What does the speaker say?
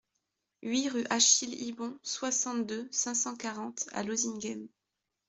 huit rue Achille Hibon, soixante-deux, cinq cent quarante à Lozinghem